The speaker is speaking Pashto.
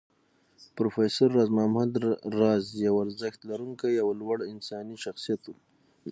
پروفېسر راز محمد راز يو ارزښتونه لرونکی او لوړ انساني شخصيت و